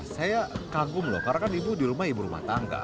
saya kagum loh karena kan ibu di rumah ibu rumah tangga